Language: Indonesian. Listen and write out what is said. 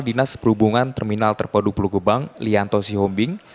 dinas perhubungan terminal terpadu pulau gebang lianto sihombing